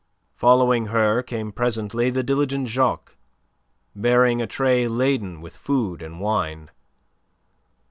Following her came presently the diligent Jacques, bearing a tray laden with food and wine.